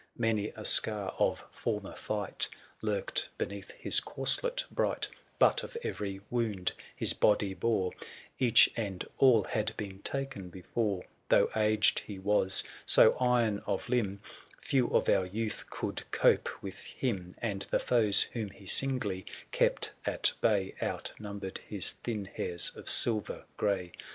Many a scar of former fight Lurked beneath his corslet bright ; But of every wound his body bore, 7^1 ©if ti'Miail^S Each and all had been ta'en before :'►•..>'& Though aged he was, so iron of limb, Few of our youth could cope with him ; And the foes, whom he singly kept at bay. Outnumbered his thin hairs of silver gray.